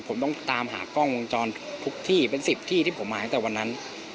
ผมต้องตามหากล้องวงจรทุกที่เป็น๑๐ที่ที่ผมมาตั้งแต่วันนั้น